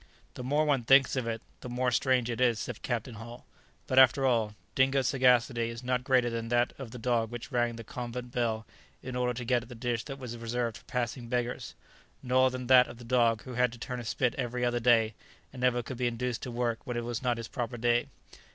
] "The more one thinks of it, the more strange it is," said Captain Hull; "but, after all, Dingo's sagacity is not greater than that of the dog which rang the convent bell in order to get at the dish that was reserved for passing beggars; nor than that of the dog who had to turn a spit every other day, and never could be induced to work when it was not his proper day.